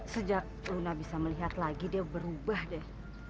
sejak luna bisa melihat lagi dia berubah deh